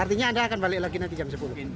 artinya anda akan balik lagi nanti jam sepuluh